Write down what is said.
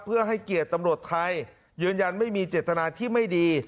เพื่อให้เกียรติตำรวจไทยยืนยันไม่มีเจตนาที่ไม่ดี